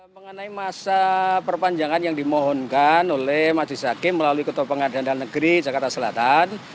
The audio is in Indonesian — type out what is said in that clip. mengenai masa perpanjangan yang dimohonkan oleh majelis hakim melalui ketua pengadilan negeri jakarta selatan